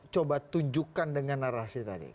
coba tunjukkan dengan narasi tadi